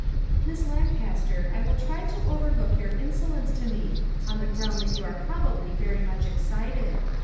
" Miss Lancaster, I will try to overlook your insolence to me, on the ground that you are probably very much excited.